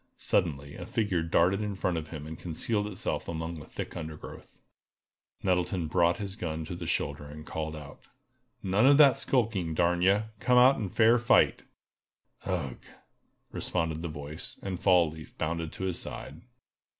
Suddenly a figure darted in front of him and concealed itself among the thick undergrowth. Nettleton brought his gun to the shoulder, and called out: "None of that skulking, darn ye! Come out and fight fair!" "Ugh!" responded the voice, and Fall leaf bounded to his side.